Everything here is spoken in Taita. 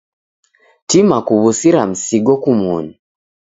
Tima kuw'usira msigo kumoni.